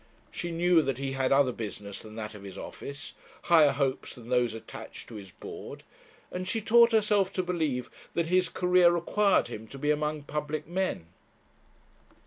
She knew that he had other business than that of his office, higher hopes than those attached to his board; and she taught herself to believe that his career required him to be among public men.